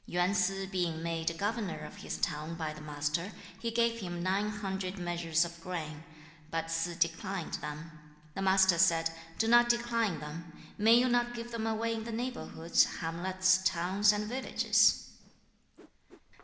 3. Yuan Sze being made governor of his town by the Master, he gave him nine hundred measures of grain, but Sze declined them. 4. The Master said, 'Do not decline them. May you not give them away in the neighborhoods, hamlets, towns, and villages?'